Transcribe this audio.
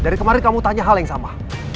dari kemarin kamu tanya hal yang sama